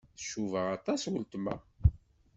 Tcuba aṭas weltma.